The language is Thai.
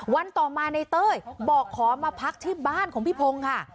วันต่อมาในเต้ยบอกขอมาพักที่บ้านของพี่พงศ์ค่ะ